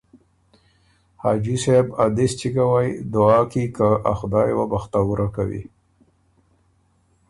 ”حاجی صېب ا دِس چِګ کوئ دعا کی که ا خدایه وه بختوُره کوی“